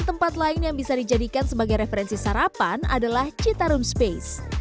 tempat lain yang bisa dijadikan sebagai referensi sarapan adalah citarum space